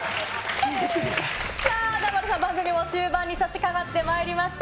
さあ、南原さん、番組も終盤にさしかかってまいりました。